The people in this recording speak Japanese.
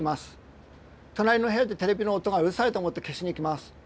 隣の部屋でテレビの音がうるさいと思って消しに行きます。